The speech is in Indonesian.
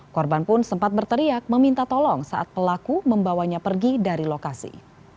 korban pun sempat berteriak meminta tolong saat pelaku membawanya pergi dari lokasi